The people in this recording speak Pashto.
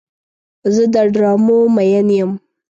زه د ډرامو مین یم.